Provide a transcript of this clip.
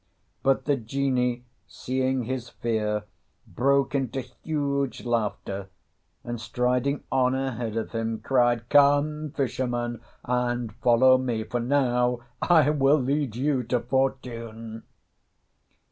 But the Genie, seeing his fear, broke into huge laughter, and striding on ahead of him cried, "Come, fisherman, and follow me, for now I will lead you to fortune!"